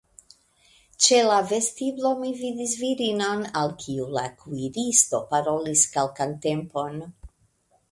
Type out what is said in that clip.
Ĉe la vestiblo mi vidis virinon, al kiu la kuiristo parolis kelkan tempon.